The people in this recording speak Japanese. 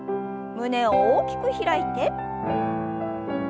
胸を大きく開いて。